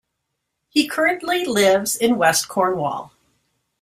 He currently lives in West Cornwall.